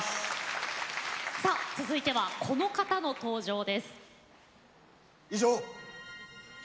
続いてはこの方の登場です。